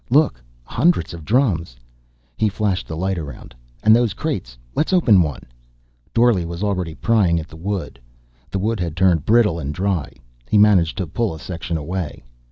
"Look, hundreds of drums." He flashed the light around. "And those crates. Let's open one." Dorle was already prying at the wood. The wood had turned brittle and dry. He managed to pull a section away.